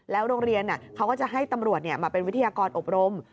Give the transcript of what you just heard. โรงเรียนเขาก็จะให้ตำรวจมาเป็นวิทยากรอบรม